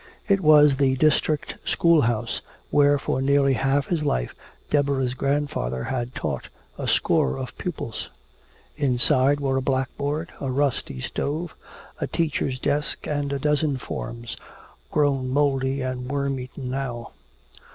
It was the district schoolhouse where for nearly half his life Deborah's grandfather had taught a score of pupils. Inside were a blackboard, a rusty stove, a teacher's desk and a dozen forms, grown mouldy and worm eaten now.